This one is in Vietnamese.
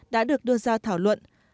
đã được đưa ra thảo luận